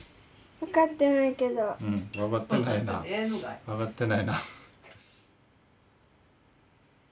分かってないな。